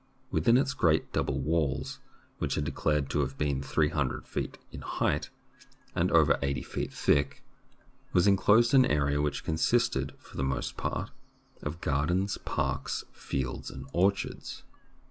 Within its great double walls, which are declared to have been three hun dred feet in height and over eighty feet thick, was enclosed an area which consisted for the most part of gardens, parks, fields, and orchards.